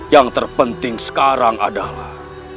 yang terpenting sekarang adalah